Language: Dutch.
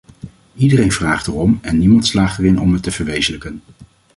Iedereen vraagt erom en niemand slaagt erin om het te verwezenlijken.